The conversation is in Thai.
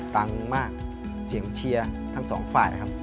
ดังมากเสียงเชียร์ทั้งสองฝ่ายนะครับ